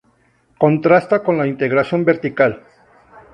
Contrasta con la integración vertical.